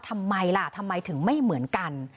ทำไมล่ะทำไมถึงไม่เหมือนกัน